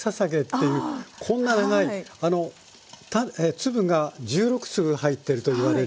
粒が１６粒入ってるといわれる。